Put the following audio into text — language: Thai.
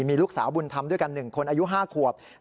มีลูกสาวบุญธรรมด้วยกัน๑คนอายุ๕ขวบ